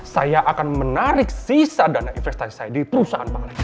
saya akan menarik sisa dana investasi saya di perusahaan pangan